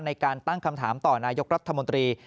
ในการตั้งคำถามต่อนายกรัฐมนตรี